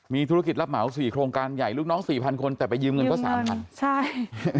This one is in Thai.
มีธุรกิจรับเหมา๔โครงการใหญ่ลูกน้อง๔๐๐๐คนแต่ไปยืมเงินก็๓๐๐๐บาท